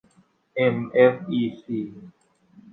เอ็ม เอฟ อี ซี